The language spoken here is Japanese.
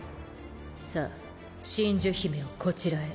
さあ真珠姫をこちらへ。